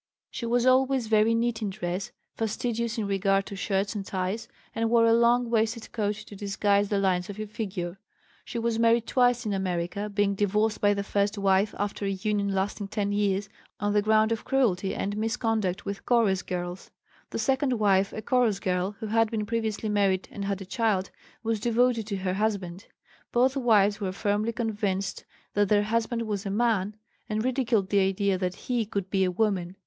She was always very neat in dress, fastidious in regard to shirts and ties, and wore a long waisted coat to disguise the lines of her figure. She was married twice in America, being divorced by the first wife, after a union lasting ten years, on the ground of cruelty and misconduct with chorus girls. The second wife, a chorus girl who had been previously married and had a child, was devoted to her "husband." Both wives were firmly convinced that their husband was a man and ridiculed the idea that "he" could be a woman.